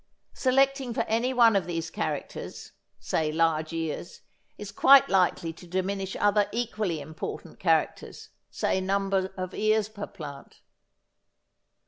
Selecting for any one of these characters, say large ears, is quite likely to diminish other equally important characters, say number of ears per plant.